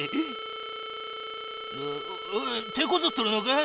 てこずっとるのか？